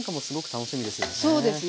そうですね。